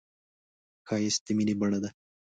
ښایست د مینې بڼه ده